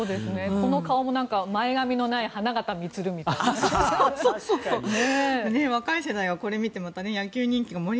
この顔も前髪のない花形満みたいなね。